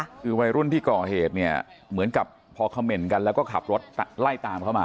คือวัยรุ่นที่ก่อเหตุเนี่ยเหมือนกับพอคำเมนต์กันแล้วก็ขับรถไล่ตามเข้ามา